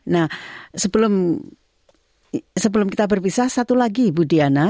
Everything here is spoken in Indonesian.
nah sebelum kita berpisah satu lagi bu diana